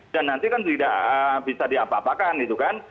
dan nanti kan tidak bisa diapapakan gitu kan